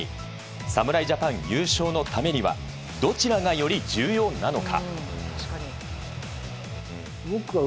侍ジャパン優勝のためにはどちらがより重要なのか。